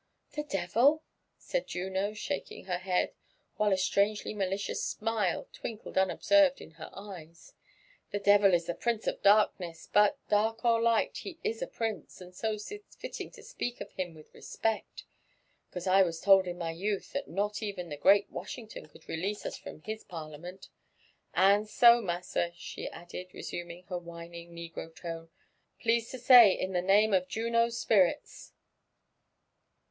" The devil ?" said Juno, sbkaking her head, while a strangely ma licious smile twinkled unobserved ip her eyes. " The devil is the prince of darkness { but, dlirk or light, he is a prince, so 'tis fitting to speak of liim With respect; 'cause I was told in my youth that not even the great Washington could release us from his parliament. And so, massa," she added, resuming her whining negro tone, " please to say, in the name of Juno's spirits."